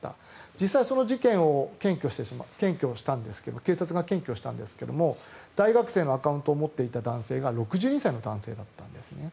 実際、その事件を警察が検挙したんですが大学生のアカウントを持っていた男性が６２歳の男性だったんですね。